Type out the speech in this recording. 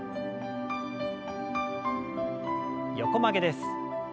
横曲げです。